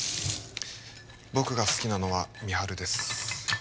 僕が好きなのは美晴です